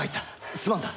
すまんな。